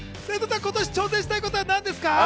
今年、挑戦したいことは何ですか？